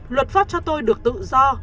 luật pháp cho tôi được tự do